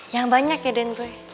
yang banyak ya den boy